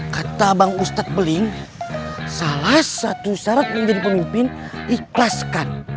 kata bang ustadz beling salah satu syarat menjadi pemimpin ikhlaskan